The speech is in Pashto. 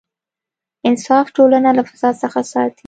انصاف ټولنه له فساد څخه ساتي.